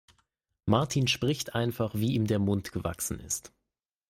Martin spricht einfach, wie ihm der Mund gewachsen ist.